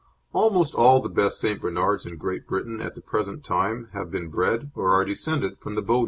Almost all the best St. Bernards in Great Britain at the present time have been bred or are descended from the Bowden dogs.